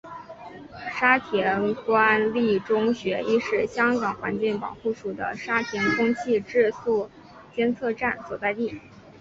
沙田官立中学亦是香港环境保护署的沙田空气质素监测站所在地。